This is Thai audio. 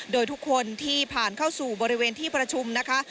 โดยทุกคนที่ผ่านเข้าสู่บริเวณที่ประชุมนะคะ